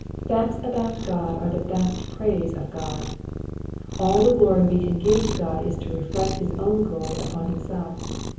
Facts about God are the best praise of God. All the glory we can give to God is to reflect his own glory upon himself.